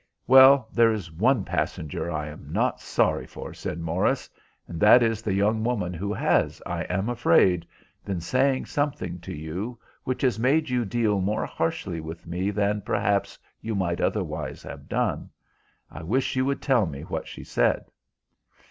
"Well, there is one passenger I am not sorry for," said Morris, "and that is the young woman who has, I am afraid, been saying something to you which has made you deal more harshly with me than perhaps you might otherwise have done. I wish you would tell me what she said?"